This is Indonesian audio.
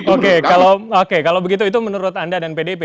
oke kalau begitu itu menurut anda dan pdip